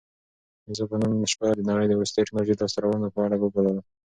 زه به نن شپه د نړۍ د وروستیو ټیکنالوژیکي لاسته راوړنو په اړه ولولم.